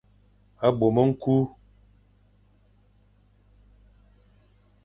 Bôm ñkul.